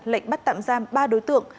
lệnh bắt tạm giam ba đối tượng